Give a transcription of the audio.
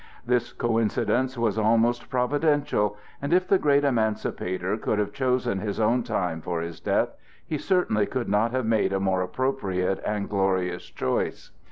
This coincidence was almost providential, and if the great Emancipator could have chosen his own time for his death, he certainly could not have made a more appropriate and glorious choice.